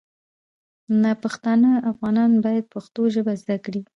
ناپښتانه افغانان باید پښتو ژبه زده کړي